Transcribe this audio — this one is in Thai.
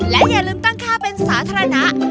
และอย่าลืมตั้งค่าเป็นสาธารณะ